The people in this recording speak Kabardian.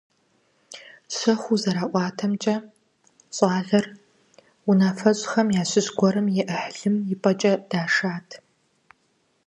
Щэхуу зэраӀуатэмкӀэ, щӀалэр унафэщӀхэм ящыщ гуэрым и Ӏыхьлым и пӀэкӀэ дашат.